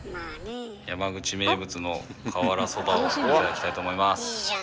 山口名物の瓦そばを頂きたいと思います！